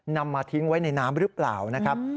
นำมาทิ้งไว้ในน้ำหรือเปล่านะครับ